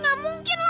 gak mungkin lah